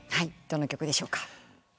どの曲でしょうか？